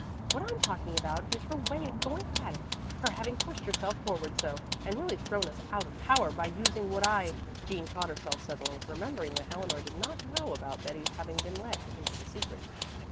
What I'm talking about is her way of going at it her having pushed herself forward so, and really thrown us out of power by using what I " Jean caught herself suddenly, remembering that Eleanor did not know about Betty's having been let into the secret.